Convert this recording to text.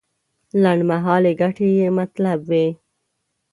لنډمهالې ګټې یې مطلب وي.